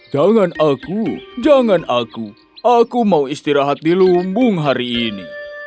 jangan aku jangan aku aku mau istirahat di lumbung hari ini